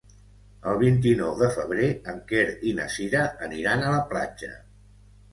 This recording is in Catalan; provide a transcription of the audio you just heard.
El vint-i-nou de febrer en Quer i na Cira aniran a la platja.